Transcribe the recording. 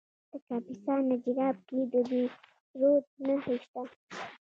د کاپیسا په نجراب کې د بیروج نښې شته.